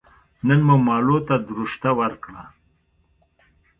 نن مو مالو ته دروشته ور کړه